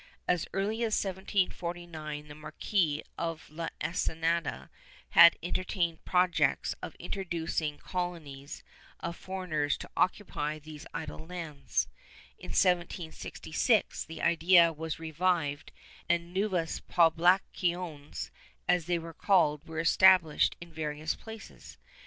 As early as 1749 the Marciuis of la Ensenada had entertained projects of introducing colonies of foreigners to occupy these idle lands; in 1766 the idea was revived and Nuevas Pohlaciones, as they were called, were established in various places.